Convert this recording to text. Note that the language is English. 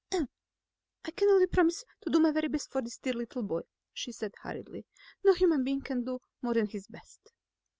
"I can only promise to do my very best for this dear little boy," she said hurriedly. "No human being can do more than his best."